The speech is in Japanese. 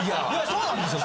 そうなんですよ。